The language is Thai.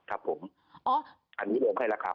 อันนี้รวมให้ล่ะครับ